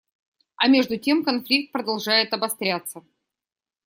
А между тем конфликт продолжает обостряться.